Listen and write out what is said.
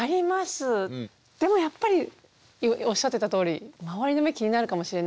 でもやっぱりおっしゃってたとおり周りの目気になるかもしれないですね。